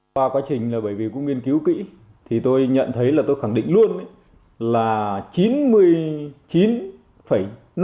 qua quá trình là bởi vì cũng nghiên cứu kỹ thì tôi nhận thấy là tôi khẳng định luôn là chín mươi chín